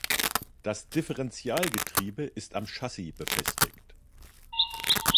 Das Differentialgetriebe ist am Chassis befestigt.